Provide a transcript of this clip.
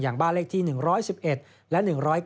อย่างบ้าเลขที่๑๑๑และ๑๐๙